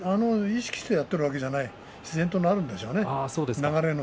意識してやっているということじゃなくて自然となるんでしょうね。